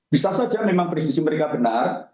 bisa saja memang prediksi mereka benar